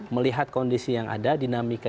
melihat kondisi yang ada dinamika